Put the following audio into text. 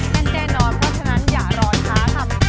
แน่นแน่นอนเพราะฉะนั้นอย่ารอช้าค่ะ